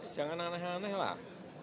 jangan aneh aneh lah